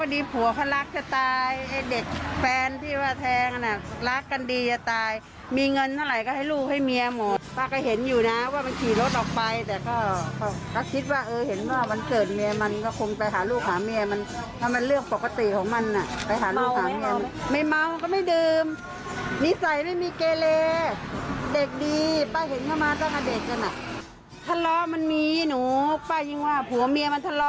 เด็กดีป้าเห็นกันมาตั้งแต่เด็กด้านไหน